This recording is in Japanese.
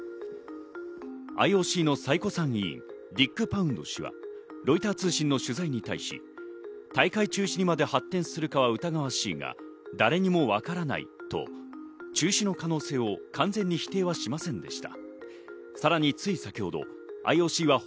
ＩＯＣの最古参委員、ディック・パウンド氏はロイター通信の取材に対し、大会中止にまで発展するかは疑わしいが誰にもわからないと中止の可能性を完全に否定はしませんでした。